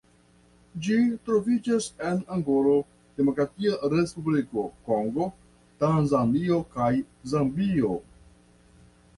Ĝi troviĝas en Angolo, Demokratia Respubliko Kongo, Tanzanio kaj Zambio.